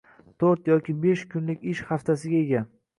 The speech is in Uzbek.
To‘rt yoki besh kunlik ish haftasiga ega.